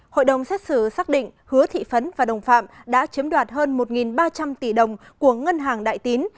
hội đồng xét xử xác định hứa thị phấn và đồng phạm đã chiếm đoạt hơn một ba trăm linh tỷ đồng của ngân hàng đại tín